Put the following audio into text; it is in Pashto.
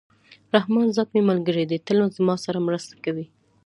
رحمان ذات مي ملګری دئ! تل زما سره مرسته کوي.